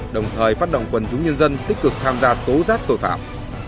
đồng thời phát động quần chúng nhân dân tích cực tham gia tố giác tội phạm